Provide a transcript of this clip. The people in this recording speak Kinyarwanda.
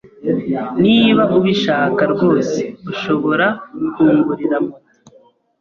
Niba ubishaka rwose, ushobora kungurira moto.